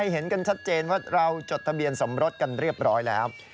เห็นกันชัดเจนว่าเราจดทะเบียนสมรสกันเรียบร้อยแล้ว